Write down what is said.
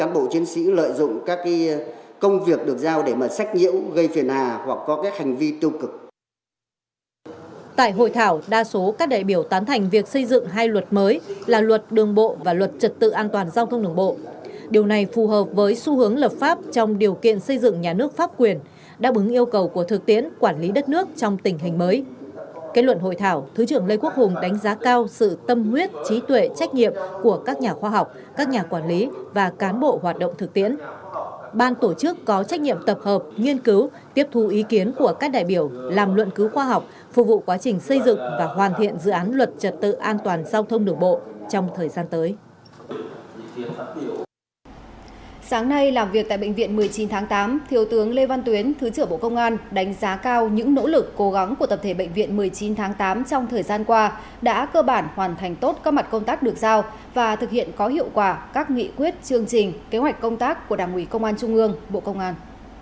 bệnh viện một mươi chín tháng tám thiếu tướng lê văn tuyến thứ trưởng bộ công an đánh giá cao những nỗ lực cố gắng của tập thể bệnh viện một mươi chín tháng tám trong thời gian qua đã cơ bản hoàn thành tốt các mặt công tác được giao và thực hiện có hiệu quả các nghị quyết chương trình kế hoạch công tác của đảng ủy công an trung ương bộ công an